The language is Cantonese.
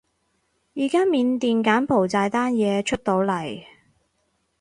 而家緬甸柬埔寨單嘢出到嚟